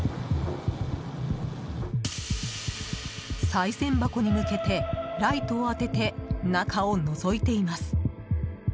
さい銭箱に向けてライトを当てて中をのぞいています。